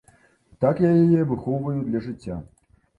Так я яе выхоўваю для жыцця.